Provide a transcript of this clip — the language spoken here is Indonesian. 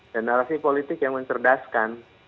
dan narasi politik yang mencerdaskan